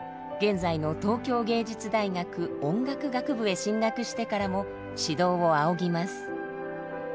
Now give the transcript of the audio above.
現在の東京藝術大学音楽学部へ進学してからも指導を仰ぎます。